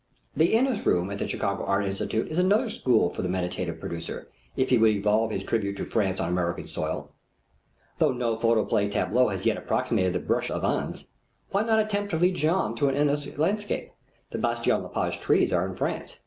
The Inness room at the Chicago Art Institute is another school for the meditative producer, if he would evolve his tribute to France on American soil. Though no photoplay tableau has yet approximated the brush of Inness, why not attempt to lead Jeanne through an Inness landscape? The Bastien Lepage trees are in France.